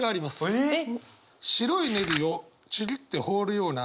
えっ！？